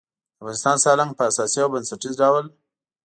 د افغانستان سالنګ په اساسي او بنسټیز ډول